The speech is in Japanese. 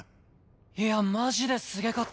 いやマジですげかった！